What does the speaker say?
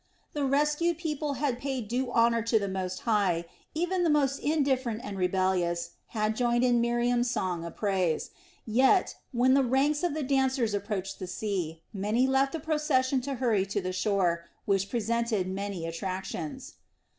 The rescued people had paid due honor to the Most High, even the most indifferent and rebellious had joined in Miriam's song of praise; yet, when the ranks of the dancers approached the sea, many left the procession to hurry to the shore, which presented many attractions.